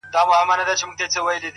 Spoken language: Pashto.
• نه دعا نه په جومات کي خیراتونو,